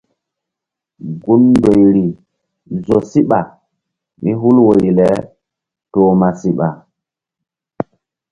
Gun ndoyri zo síɓa mí hul woyri le toh ma siɓa.